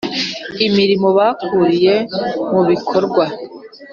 imirimo bakuriye Mu bikorwa